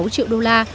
sáu sáu triệu đô la